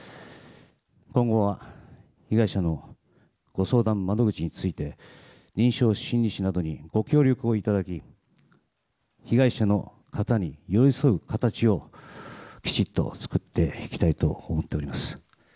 今後は被害者のご相談窓口について臨床心理士などにご協力をいただき被害者の方に寄り添う形をきちっと作っていきたいと思っております。